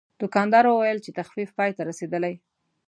دوکاندار وویل چې تخفیف پای ته رسیدلی.